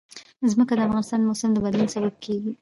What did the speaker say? ځمکه د افغانستان د موسم د بدلون سبب کېږي.